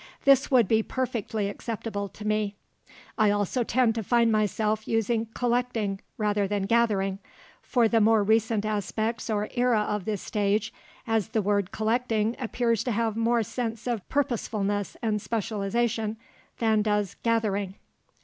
This would be perfectly acceptable to me. I also tend to find myself using collecting, rather than gathering, for the more recent aspects or era of the stage, as the word "collecting" appears to have more sense of purposefulness and specialization than does "gathering" (see p.